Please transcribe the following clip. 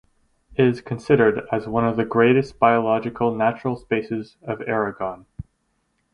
Is considered as one of the greatest biological natural spaces of Aragon.